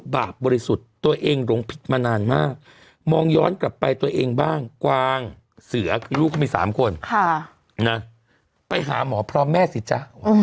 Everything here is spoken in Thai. บาปบริสุทธิ์ตัวเองหลงผิดมานานมากมองย้อนกลับไปตัวเองบ้างกวางเสือคือลูกเขามี๓คนไปหาหมอพร้อมแม่สิจ๊ะ